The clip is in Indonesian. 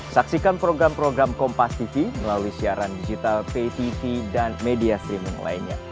saksikan program program kompastv melalui siaran digital ptv dan media streaming lainnya